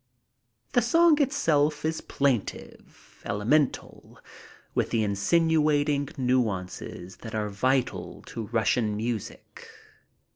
The song itself is plaintive, elemental, with the insinuating nuances that are vital to Russian music.